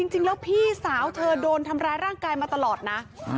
จริงแล้วพี่สาวเธอโดนทำร้ายร่างกายมาตลอดนะ